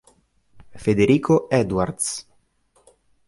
Federico Edwards